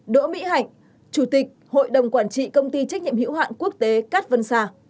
đỗ mỹ hạnh chủ tịch hội đồng quản trị công ty trách nhiệm hữu hạn quốc tế cát vân sa